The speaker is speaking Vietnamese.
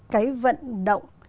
cái vận động